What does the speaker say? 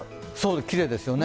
きれいですよね。